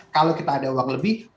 kalau kita ada uang lebih kita bisa beli